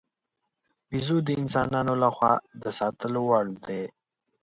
بیزو د انسانانو له خوا د ساتلو وړ دی.